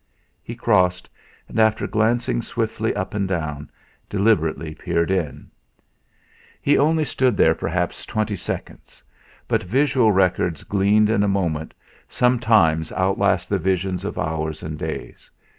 He crossed; and after glancing swiftly up and down, deliberately peered in. He only stood there perhaps twenty seconds, but visual records gleaned in a moment sometimes outlast the visions of hours and days.